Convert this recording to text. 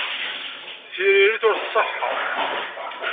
Tiririt-nnes ur tṣeḥḥa.